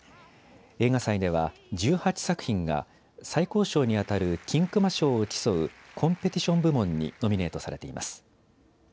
映画祭では１８作品が最高賞にあたる金熊賞を競うコンペティション部門にノミネートされています。